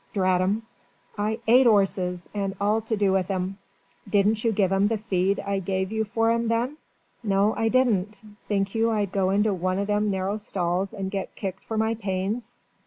Drat 'em! I 'ate 'orzes and all to do with 'em." "Didn't you give 'em the feed I give you for 'em then?" "No, I didn't. Think you I'd go into one o' them narrow stalls and get kicked for my pains."